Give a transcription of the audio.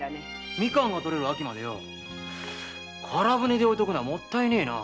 みかんが取れる秋まで空船で置いとくのはもったいねえな。